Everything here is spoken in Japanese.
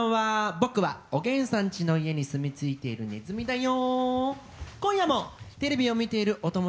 僕はおげんさんちの家にすみついているねずみだよ！